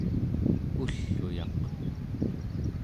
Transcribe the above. ull'uyaq